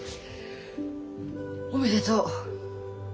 おめでとう。